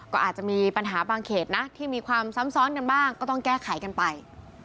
ก็อาจจะมีปัญหาบางเขตนะที่มีความซ้ำซ้อนกันบ้างก็ต้องแก้ไขกันไป